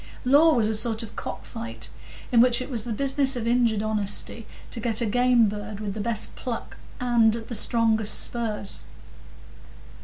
Law was a sort of cock fight, in which it was the business of injured honesty to get a game bird with the best pluck and the strongest spurs.